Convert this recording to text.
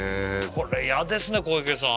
これ嫌ですね小池さん